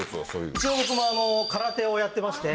一応僕も空手をやってまして。